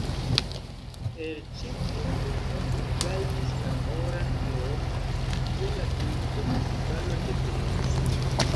Per ĉi tiu filmo li gajnis la oran leonon je la Filmfestivalo de Venecio.